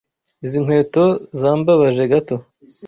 Izi nkweto zambabaje gato.